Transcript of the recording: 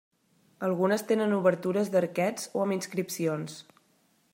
Algunes tenen obertures d'arquets o amb inscripcions.